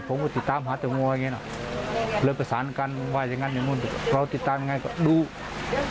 ผมก็ติดตามหาจังหัวอย่างนี้นะเลยประสานกันว่าอย่างนั้นอย่างนู้น